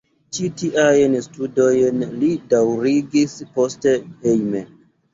Ĉi tiajn studojn li daŭrigis poste hejme.